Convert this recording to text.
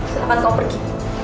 selamat kau pergi